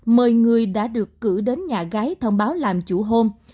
mời người đã được cử đến nhà gái thông báo làm chủ hôm